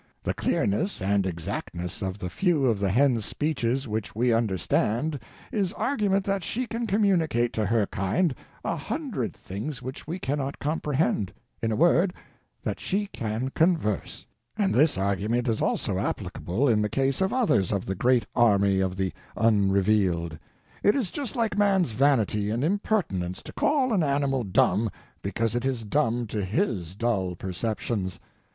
The clearness and exactness of the few of the hen's speeches which we understand is argument that she can communicate to her kind a hundred things which we cannot comprehend—in a word, that she can converse. And this argument is also applicable in the case of others of the great army of the Unrevealed. It is just like man's vanity and impertinence to call an animal dumb because it is dumb to his dull perceptions.